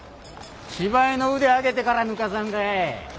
芝居の腕上げてからぬかさんかい。